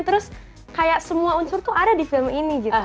terus kayak semua unsur tuh ada di film ini gitu